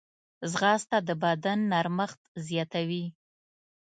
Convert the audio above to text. ځغاسته د بدن نرمښت زیاتوي